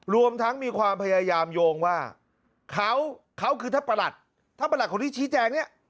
รวมทั้งมีความพยายามโยงว่าเขาคือท่าประหลักท่าประหลักของที่ชี้แจง